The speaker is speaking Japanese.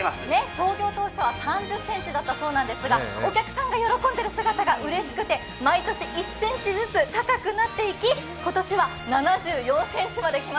創業当初は３０ｃｍだったそうなんですが、お客さんが喜んでる姿がうれしくて毎年１ｃｍずつ高くなっていき、しゃー！